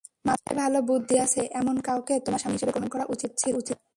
মাথায় ভালো বুদ্ধি আছে এমন কাউকে তোমার স্বামী হিসেবে গ্রহণ করা উচিত ছিল।